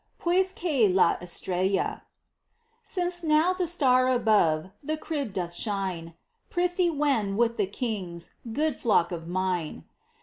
Pues que la estrella. Since now the star above The crib doth shine, Prithee wend with the Kings, Good flock of mine